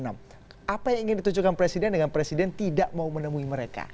apa yang ingin ditunjukkan presiden dengan presiden tidak mau menemui mereka